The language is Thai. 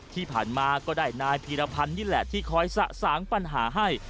ที่ผ่านมาก็ได้นายพีรพันธ์นี่แหละที่คอยสะสางปัญหาให้